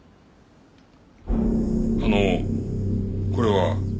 あのこれは？